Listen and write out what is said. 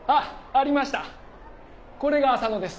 これが浅野です。